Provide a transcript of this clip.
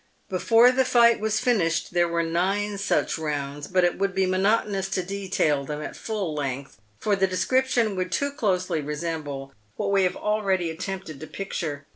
Before the fight was finished there were nine such rounds, but it would be monotonous to detail them at full length, for the description would too closely resemble what we have already attempted to pic ture.